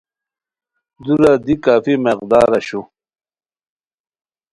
دُوراد ی کافی مقدارہ شُو